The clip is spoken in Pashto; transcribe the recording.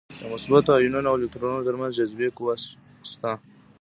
د مثبتو ایونونو او الکترونونو تر منځ جاذبې قوه شته ده.